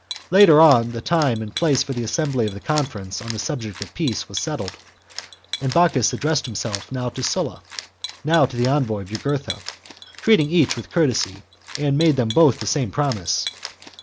Later on, the time and place for the assembly of the conference on the subject of peace were settled, and Bocchus addressed himself now to Sulla, now to the envoy of Jugurtha, treated each with courtesy, and made them both the same promise.